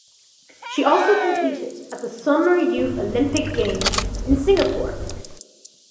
She also competed in the Summer Youth Olympic Games in Singapore.